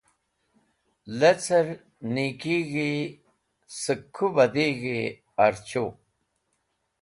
Lecẽr nikig̃hi sẽk ku badhig̃hi archu.